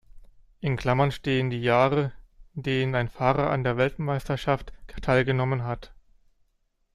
In Klammern stehen die Jahre, in denen ein Fahrer an der Weltmeisterschaft teilgenommen hat.